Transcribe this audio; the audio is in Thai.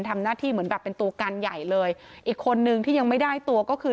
ทำหน้าที่เหมือนแบบเป็นตัวการใหญ่เลยอีกคนนึงที่ยังไม่ได้ตัวก็คือ